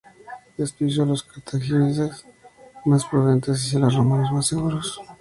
Esto hizo a los cartagineses más prudentes y a los romanos más seguros.